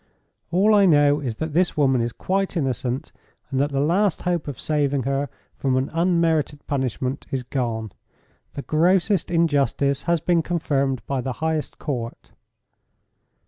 "All I know is that this woman is quite innocent, and that the last hope of saving her from an unmerited punishment is gone. The grossest injustice has been confirmed by the highest court."